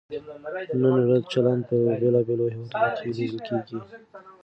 نن ورته چلند په بېلابېلو هېوادونو کې لیدل کېږي.